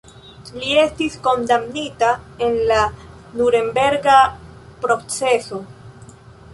Li estis kondamnita en la Nurenberga proceso.